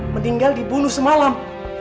mendinggal dibunuh semalam